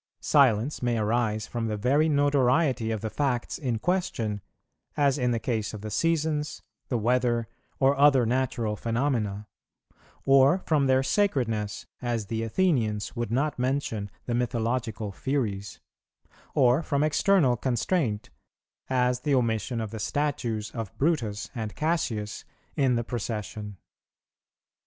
Silence may arise from the very notoriety of the facts in question, as in the case of the seasons, the weather, or other natural phenomena; or from their sacredness, as the Athenians would not mention the mythological Furies; or from external constraint, as the omission of the statues of Brutus and Cassius in the procession.